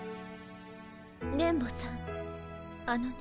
電ボさんあのね。